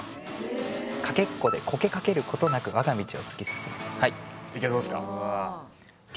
「かけっこでコケかけることなく我が道を突き進む」